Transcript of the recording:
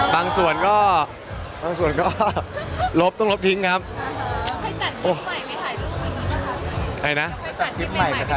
บางส่วนก็ลบต้องลบทิ้งครับ